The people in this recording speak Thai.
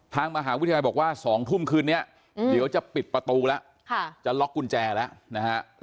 ทางมหาวิทยาลัยบอกว่า๒ทุ่มคืนนี้เดี๋ยวจะปิดประตูแล้วจะล็อกกุญแจแล้วนะฮะ